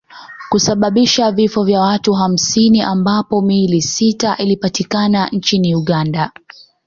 kusababisha vifo vya watu hamsini ambapo miili sita ilipatikana nchini Uganda